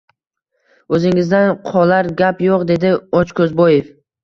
O`zingizdan qolar gap yo`q, dedi Ochko`zboev